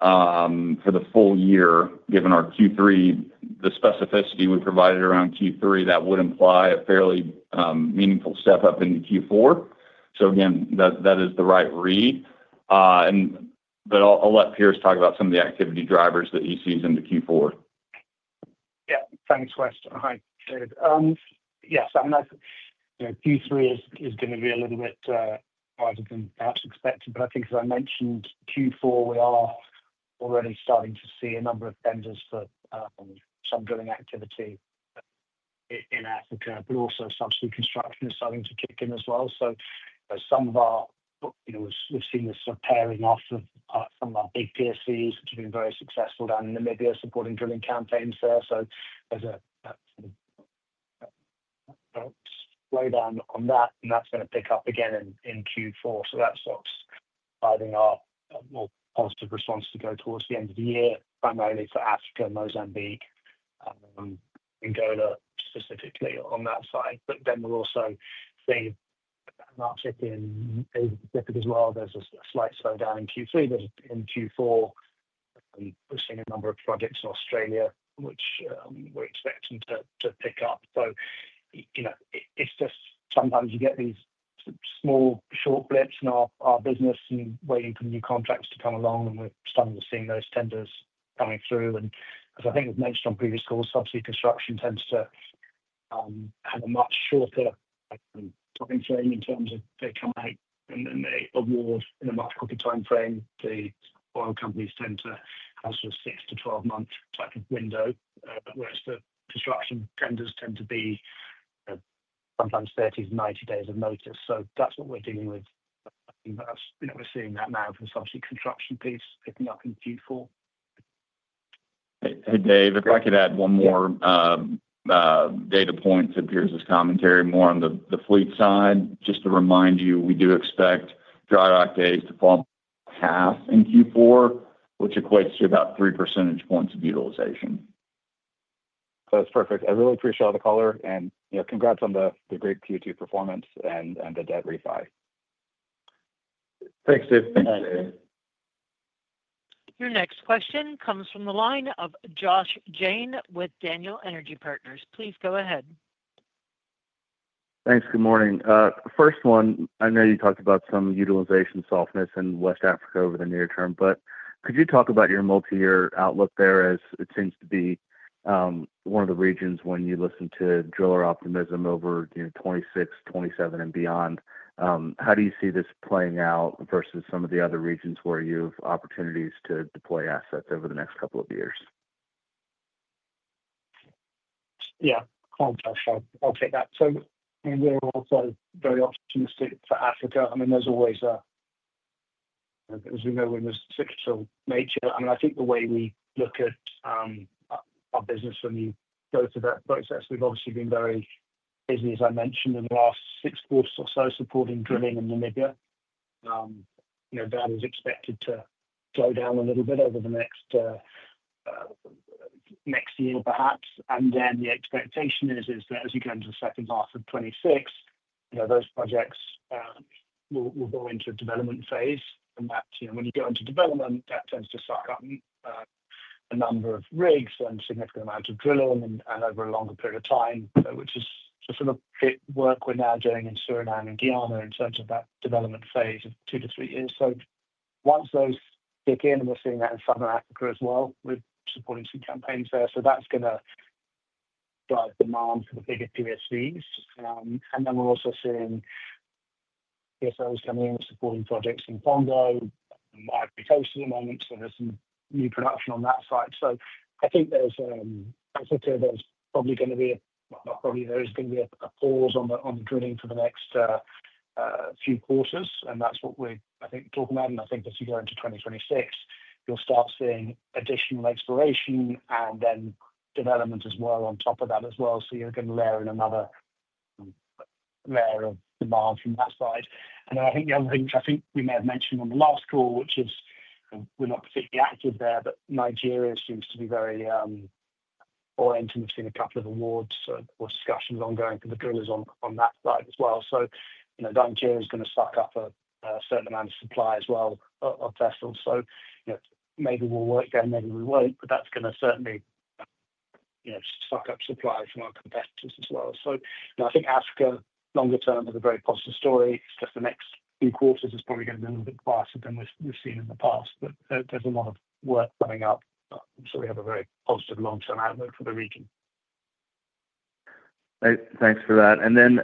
for the full year, given our Q3, the specificity we provided around Q3, that would imply a fairly meaningful step up into Q4. That is the right read. I will let Piers talk about some of the activity drivers that he sees into Q4. Yeah. Thanks, West. Hi, David. Yes, I mean, I think Q3 is going to be a little bit harder than perhaps expected. I think, as I mentioned, Q4, we are already starting to see a number of vendors for some drilling activity in Africa, but also subsea construction is starting to kick in as well. Some of our, you know, we've seen this sort of pairing off of some of our big TSCs that have been very successful down in Namibia supporting drilling campaigns there. There's a slowdown on that, and that's going to pick up again in Q4. That starts driving our more positive response to go towards the end of the year, primarily for Africa, Mozambique, and Angola specifically on that side. We'll also see that market in Asia because while there's a slight slowdown in Q3, in Q4, we're seeing a number of projects in Australia, which we're expecting to pick up. Sometimes you get these small short blips in our business and waiting for new contracts to come along, and we're starting to see those tenders coming through. As I think we've mentioned on previous calls, subsea construction tends to have a much shorter time frame in terms of they come out in the award in a much quicker time frame. The oil companies tend to have a sort of 6-12 months type of window, whereas the construction tenders tend to be sometimes 30-90 days of notice. That's what we're dealing with. I think that's, you know, we're seeing that now for the subsea construction piece picking up in Q4. Hey, Dave, if I could add one more data point to Piers' commentary, more on the fleet side, just to remind you, we do expect dry dock days to fall half in Q4, which equates to about 3% of utilization. That's perfect. I really appreciate all the color, and congrats on the great Q2 performance and the debt refi. Thanks, Dave. Your next question comes from the line of Josh Jayne with Daniel Energy Partners. Please go ahead. Thanks. Good morning. First one, I know you talked about some utilization softness in West Africa over the near term, but could you talk about your multi-year outlook there as it seems to be one of the regions when you listen to driller optimism over, you know, 2026, 2027, and beyond? How do you see this playing out versus some of the other regions where you have opportunities to deploy assets over the next couple of years? I apologize. I'll take that. We're also very optimistic for Africa. There's always a, as we know, we're in the cyclical nature. I think the way we look at our business when you go through that process, we've obviously been very busy, as I mentioned, in the last six quarters or so supporting drilling in Namibia. That is expected to slow down a little bit over the next year, perhaps. The expectation is that as you go into the second half of 2026, those projects will go into a development phase. When you go into development, that tends to suck up a number of rigs and a significant amount of drilling over a longer period of time, which is some of the work we're now doing in Suriname and Guyana in terms of that development phase of two to three years. Once those kick in, and we're seeing that in Southern Africa as well, we're supporting some campaigns there. That's going to drive demand for the bigger TSCs. We're also seeing TSOs coming in supporting projects in Congo, at the moment, so there's some new production on that side. I think there's probably going to be a, not probably, there is going to be a pause on the drilling for the next few quarters. That's what we're, I think, talking about. I think as you go into 2026, you'll start seeing additional exploration and then development as well on top of that as well. You're going to layer in another layer of demand from that side. I think the other thing, which I think we may have mentioned on the last call, which is we're not particularly active there, but Nigeria seems to be very oriented and have seen a couple of awards or discussions ongoing for the drillers on that side as well. Nigeria is going to suck up a certain amount of supply as well of vessels. Maybe we'll work there, maybe we won't, but that's going to certainly suck up supply from our competitors as well. I think Africa, longer term, has a very positive story. The next few quarters is probably going to be a little bit faster than we've seen in the past. There's a lot of work coming up. We have a very positive long-term outlook for the region. Thanks for that.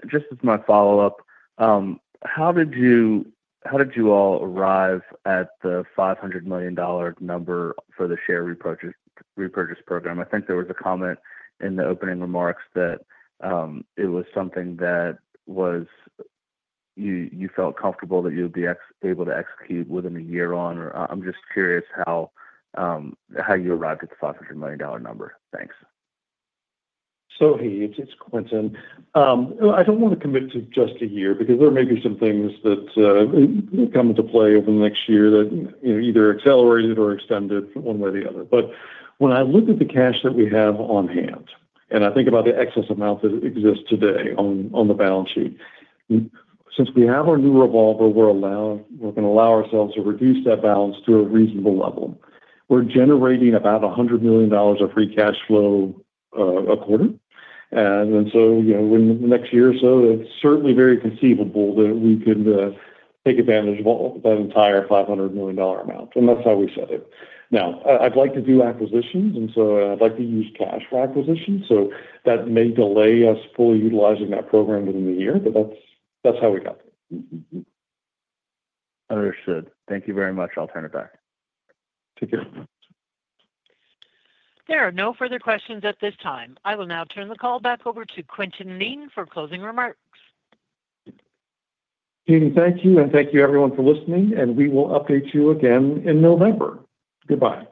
Just as my follow-up, how did you all arrive at the $500 million number for the share repurchase program? I think there was a comment in the opening remarks that it was something that you felt comfortable that you would be able to execute within a year on. I'm just curious how you arrived at the $500 million number. Thanks. Hey, it's Quintin. I don't want to commit to just a year because there may be some things that come into play over the next year that either accelerate or extend one way or the other. When I look at the cash that we have on hand, and I think about the excess amount that exists today on the balance sheet, since we have our new revolver, we're going to allow ourselves to reduce that balance to a reasonable level. We're generating about $100 million of free cash flow a quarter. In the next year or so, it's certainly very conceivable that we can take advantage of all that entire $500 million amount. That's how we set it. I'd like to do acquisitions, and I'd like to use cash for acquisitions. That may delay us fully utilizing that program within the year, but that's how we got there. Understood. Thank you very much. I'll turn it back. Take care. There are no further questions at this time. I will now turn the call back over to Quintin Kneen for closing remarks. Jeannie, thank you, and thank you, everyone, for listening, and we will update you again in November. Goodbye.